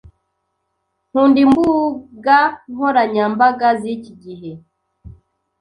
nkunda imbuga nkoranyambaga ziki gihe.